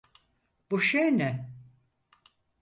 Bu şey ne?